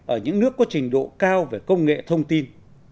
ở những nước có trình độ cao về công nghệ thông tin